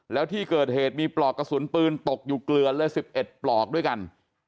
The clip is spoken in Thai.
แล้วที่เกิดเหตุมีปลอกกระสุนปืนตกอยู่เกลือเลย๑๑ปลอกด้วยกัน